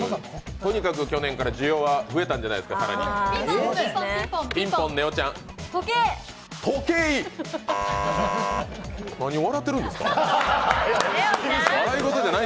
とにかく去年から需要が更に増えたんじゃないでしょうか。